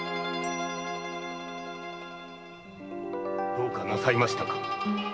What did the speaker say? どうかなさいましたか？